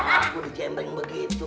aku dijembreng begitu